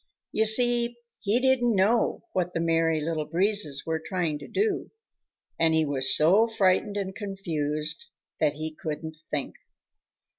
You see, he didn't know what the Merry Little Breezes were trying to do, and he was so frightened and confused that he couldn't think.